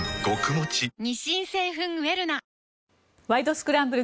スクランブル」